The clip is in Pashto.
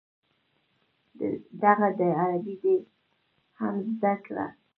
دغه ده عربي دې هم زده کړه.